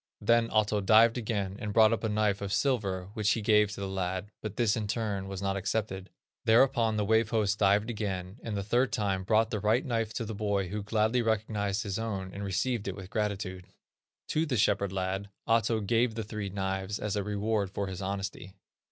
Then Ahto dived again, and brought up a knife of silver, which he gave to the lad, but this in turn was not accepted. Thereupon the Wave host dived again, and the third time brought the right knife to the boy who gladly recognized his own, and received it with gratitude. To the shepherd lad Ahto gave the three knives as a reward for his honesty.